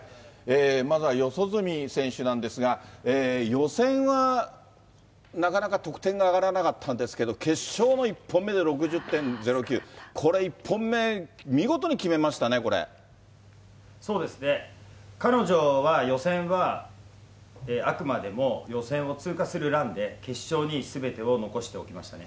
まずは四十住選手なんですが、予選はなかなか得点が上がらなかったんですけど、決勝の１本目で６０．０９、これ、１本目、見事に決めましたね、そうですね、彼女は予選は、あくまでも予選を通過するランで、決勝にすべてを残しておきましたね。